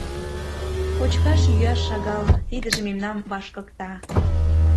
Кочкаш-йӱаш шагал, тидыже мемнам вашкыкта.